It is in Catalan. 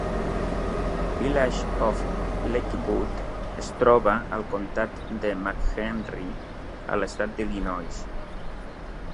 Village of Lakewood es troba al comtat de McHenry a l'estat d'Illinois.